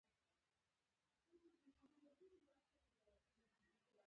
پنجرې زنګ خوړلي